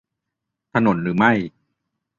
ถนนหรือไม่